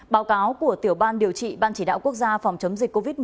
báo cáo của tiểu ban điều trị ban chỉ đạo quốc gia phòng chống dịch covid một mươi chín